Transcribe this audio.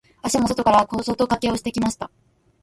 足も外から小外掛けをかけてきました。